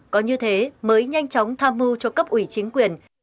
có như thế mới nhanh chóng tham mưu cho cấp ủy chính quyền